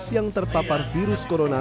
yang terpapar virus corona